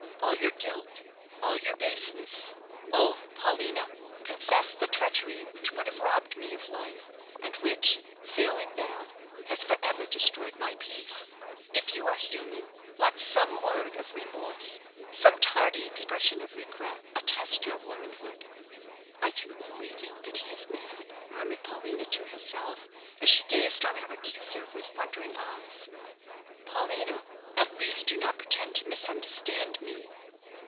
"All your guilt all your baseness. Oh, Paulina, confess the treachery which would have robbed me of life; and which, failing that, has for ever destroyed my peace. If you are human, let some word of remorse, some tardy expression of regret, attest your womanhood." "I can only think that he is mad," murmured Paulina to herself, as she gazed on her accuser with wondering eyes. "Paulina, at least do not pretend to misunderstand me."